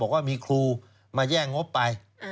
ว่ามีครูมาแย่งงบไป